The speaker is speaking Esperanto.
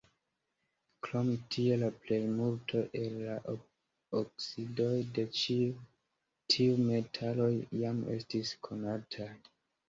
Krom tio la plejmulto el la oksidoj de ĉi-tiuj metaloj jam estis konataj.